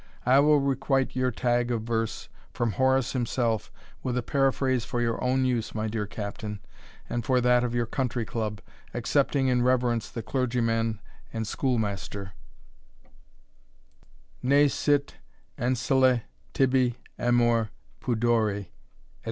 I will requite your tag of verse, from Horace himself, with a paraphrase for your own use, my dear Captain, and for that of your country club, excepting in reverence the clergyman and schoolmaster: _Ne sit ancillae tibi amor pudori, &c.